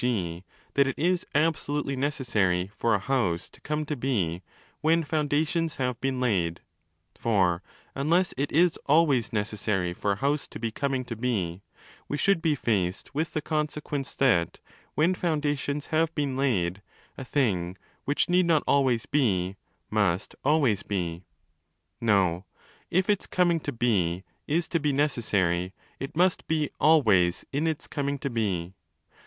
g., that 'it is absolutely necessary for a house to come to be when foundations have been laid': for (unless it is always necessary for a house to be coming to be) we should be faced with the consequence that, when foundations have been laid, a thing, which need not always be, must always be. No: if its coming to be is to be 35 'necessary ', it must be 'always' in its coming to be.